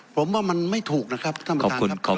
ผมว่ามันไม่ถูกนะครับท่านประธาน